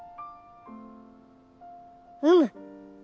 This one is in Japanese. うむ。